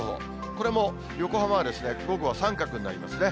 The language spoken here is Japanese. これも横浜は午後は三角になりますね。